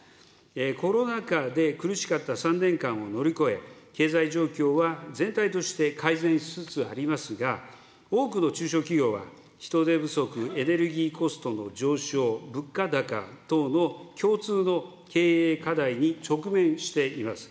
コロナ禍で苦しかった３年間を乗り越え、経済状況は全体として改善しつつありますが、多くの中小企業は人手不足、エネルギーコストの上昇、物価高等の共通の経営課題に直面しています。